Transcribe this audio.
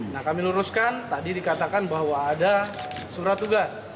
nah kami luruskan tadi dikatakan bahwa ada surat tugas